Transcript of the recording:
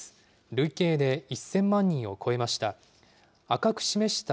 累計で１０００万人を超えました。